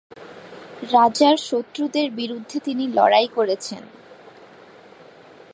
রাজার শত্রুদের বিরুদ্ধে তিনি লড়াই করেছেন।